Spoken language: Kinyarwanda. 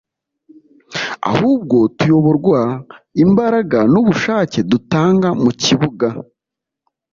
ahubwo tuyoborwa imbaraga n’ubushake dutanga mu kibuga